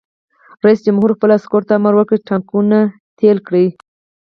رئیس جمهور خپلو عسکرو ته امر وکړ؛ ټانکونه تېل کړئ!